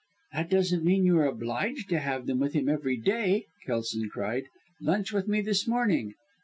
"That doesn't mean you are obliged to have them with him every day!" Kelson cried. "Lunch with me this morning."